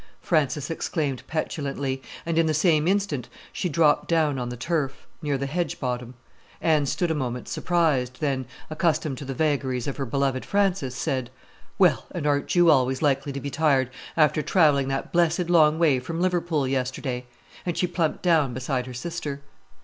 Frances exclaimed petulantly, and in the same instant she dropped down on the turf, near the hedge bottom. Anne stood a moment surprised, then, accustomed to the vagaries of her beloved Frances, said: "Well, and aren't you always likely to be tired, after travelling that blessed long way from Liverpool yesterday?" and she plumped down beside her sister.